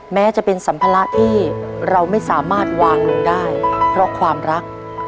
แม้จะเป็นสัมภาระที่เราไม่สามารถวางลงได้เพราะความรัก